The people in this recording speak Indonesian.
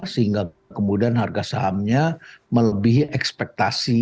sehingga kemudian harga sahamnya melebihi ekspektasi